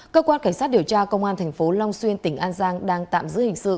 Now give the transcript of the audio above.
cơ quan cảnh sát điều tra công an thành phố long xuyên tỉnh an giang đang tạm giữ hình sự